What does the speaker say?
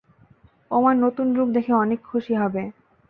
ও আমার নতুন রূপ দেখে অনেক খুশি হবে।